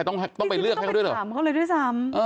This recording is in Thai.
ต้องไปเลือกให้เขาด้วยเหรอ